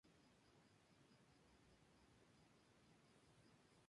Empezó originalmente como escultor, pero posteriormente terminó como maestro de obras.